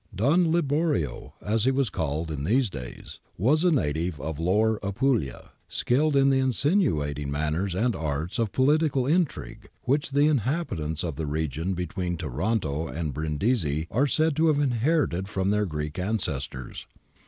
* Don Liborio,' as he was called in these days, was a native of lower Apulia, skilled in the insinuating manners and arts of political intrigue which the inhabit ants of the region between Taranto and Brindisi are said to have inherited from their Greek ancestors.